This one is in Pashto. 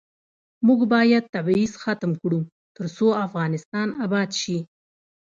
موږ باید تبعیض ختم کړو ، ترڅو افغانستان اباد شي.